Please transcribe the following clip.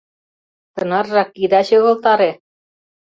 Тынаржак ида чыгылтаре...